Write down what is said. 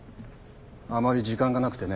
あまり時間がなくてね。